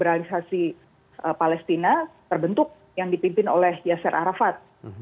organisasi palestina terbentuk yang dipimpin oleh yaser arafat